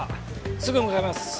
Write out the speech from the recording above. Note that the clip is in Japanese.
すぐ向かいます。